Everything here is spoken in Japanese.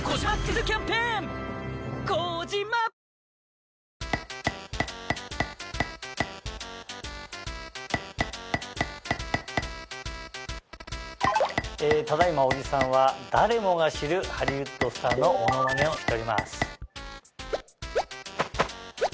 ニトリただ今小木さんは誰もが知るハリウッドスターのモノマネをしております。